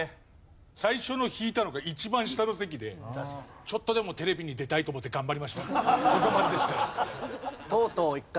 最初の引いたのが一番下の席でちょっとでもテレビに出たいと思って頑張りましたがここまででした。